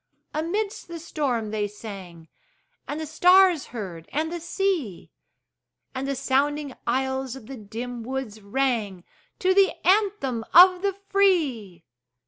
Amidst the storm they sang, And the stars heard, and the sea; And the sounding aisles of the dim woods rang To the anthem of the free!